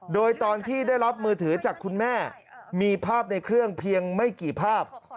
โดยตอนที่ได้รับมือถือจากคุณแม่มีภาพในเครื่องเพียงไม่กี่ภาพ